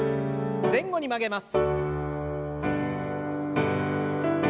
前後に曲げます。